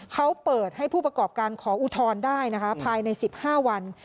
เขาเปิดให้ผู้ประกอบการขออุทธรณ์ได้นะคะภายใน๑๕วัน